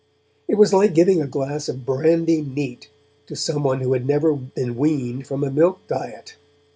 It was like giving a glass of brandy neat to someone who had never been weaned from a milk diet.